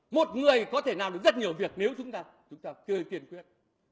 một người có thể làm được rất nhiều việc nếu chúng ta chưa tiền quyết